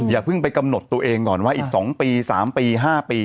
อย่าเพิ่งไปกำหนดตัวเองก่อนว่าอีก๒ปี๓ปี๕ปี